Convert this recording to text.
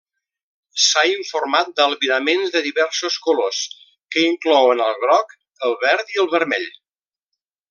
S'ha informat d'albiraments de diversos colors que inclouen al groc, el verd i el vermell.